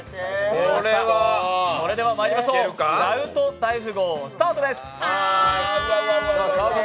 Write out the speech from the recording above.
それではまいりましょう「ダウト大富豪」スタートです！